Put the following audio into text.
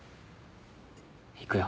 行くよ。